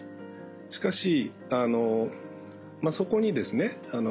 しかしそこにですね